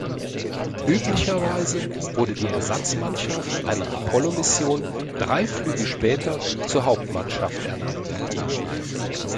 Üblicherweise wurde die Ersatzmannschaft einer Apollo-Mission drei Flüge später zur Hauptmannschaft ernannt.